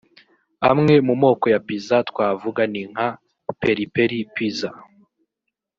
Amwe mu moko ya Pizza twavuga ni nka Peri-Peri Pizza